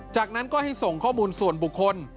จากนั้นก็ให้ส่งข้อมูลส่วนบุคคล